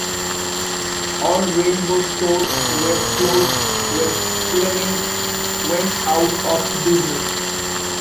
All Rainbow stores were closed when Fleming went out of business.